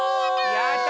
やった！